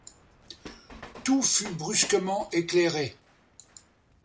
Tout fut brusquement éclairé.